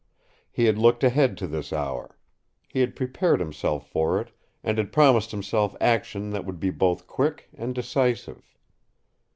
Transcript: He had looked ahead to this hour. He had prepared himself for it and had promised himself action that would be both quick and decisive.